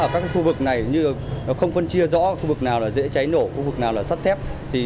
khu vực nào là dễ cháy nổ khu vực nào là sắp thép